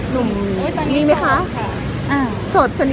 แล้วพาไปกับประสารมั้ยได้